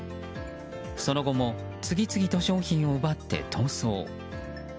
その後も次々と商品を奪って逃走。